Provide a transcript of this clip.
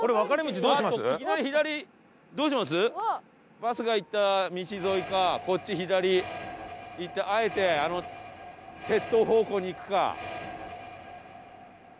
バスが行った道沿いかこっち左行ってあえて鉄塔方向に行くか。